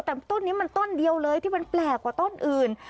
แต่ต้นนี้มันต้นเดียวเลยที่มันแปลกกว่าต้นอื่น